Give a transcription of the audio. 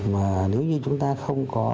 mà nếu như chúng ta không có